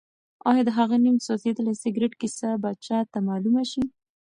ایا د هغه نیم سوځېدلي سګرټ کیسه به چا ته معلومه شي؟